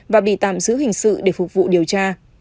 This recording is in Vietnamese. và bị tạm giữ hình sự để phục vụ điều tra